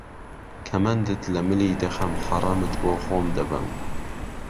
کهمهندت له ملی دهخهم حهڕەمت بۆ خۆم دهبەم